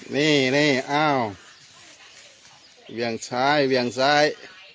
นี่อ้าวเวียงซ้ายเวียงซ้าย